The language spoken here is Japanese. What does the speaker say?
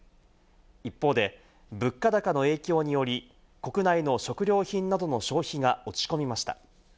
一方で物価高の影響により、国内の食料品などの消費が落ち込みました。